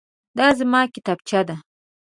دا زما کتابچه ده.